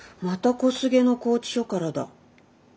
小菅の拘置所からだ。